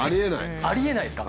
ありえないですか？